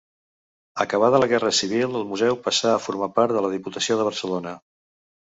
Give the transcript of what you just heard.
Acabada la Guerra Civil, el museu passà a formar part de la Diputació de Barcelona.